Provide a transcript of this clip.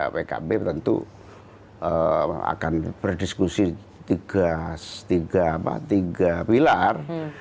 pkb tentu akan berdiskusi tiga pilar